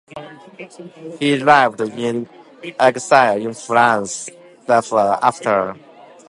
He lived in exile in France thereafter.